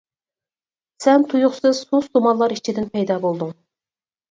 سەن تۇيۇقسىز سۇس تۇمانلار ئىچىدىن پەيدا بولدۇڭ.